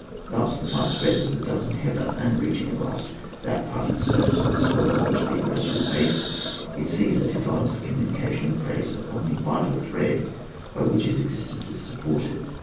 Thus the flre spreads as it does in heather, and reaching at last that part of the surface of the soil on which the aggressor is based, it seizes his lines of communication and preys upon the vital thread by which his exist ence is supported.